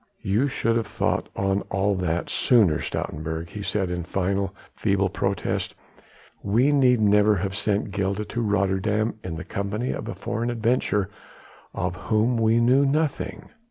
"You should have thought on all that sooner, Stoutenburg," he said in final, feeble protest, "we need never have sent Gilda to Rotterdam in the company of a foreign adventurer of whom we knew nothing."